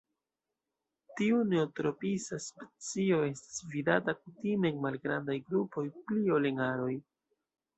Tiu neotropisa specio estas vidata kutime en malgrandaj grupoj pli ol en aroj.